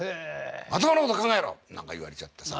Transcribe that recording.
まともなこと考えろ！」なんか言われちゃってさ。